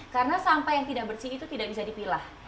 karena sampah yang tidak bersih itu tidak bisa dipilah